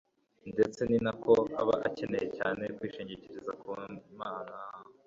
ndetse ni nako aba akeneye cyane kwishingikiriza ku mana